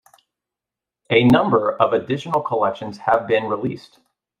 A number of additional collections have been released.